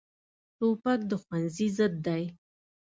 توپک د ښوونځي ضد دی.